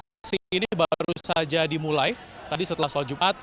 aksi ini baru saja dimulai tadi setelah sholat jumat